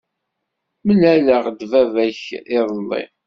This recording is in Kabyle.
Mlaleɣ-d baba-k iḍelli.